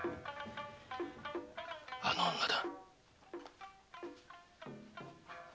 あの女だ。